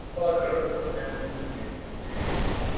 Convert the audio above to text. طلبا گھروں تک محدود ہو گئے ہیں